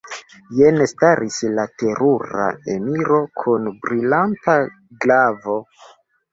Jen staris la terura emiro kun brilanta glavo.